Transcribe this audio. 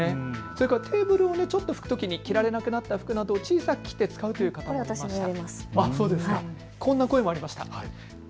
それからテーブルをちょっと拭くときに着られなくなった服などを小さく切って使うという方もいました。